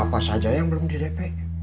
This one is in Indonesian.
apa saja yang belum di dp